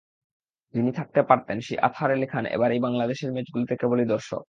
যিনি থাকতে পারতেন, সেই আতহার আলী খান এবার বাংলাদেশের ম্যাচগুলোতে কেবলই দর্শক।